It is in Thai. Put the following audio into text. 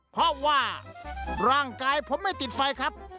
เพราะว่าร่างกายผมไม่ติดไฟครับ